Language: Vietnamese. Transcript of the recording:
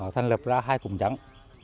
thành lập ra hai cụm chẳng